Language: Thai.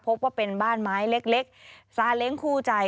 พบว่าเป็นบ้านไม้เล็กซาเล้งคู่ใจ